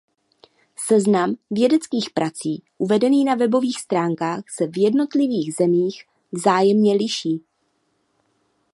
Seznam vědeckých prací uvedený na webových stránkách se v jednotlivých zemích vzájemně liší.